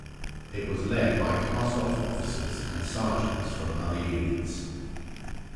It was led by cast-off officers and sergeants from other units.